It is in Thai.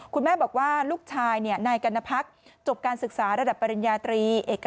คุณแม่บอกว่าลูกชายเนี่ยในกรรณพักษ์จบการศึกษาระดับปริญญาตรี